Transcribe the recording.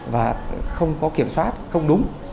và không có kiểm soát không đúng